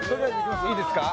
いいすか？